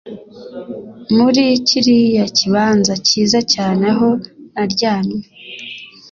muri kiriya kibanza cyiza cyane aho naryamye,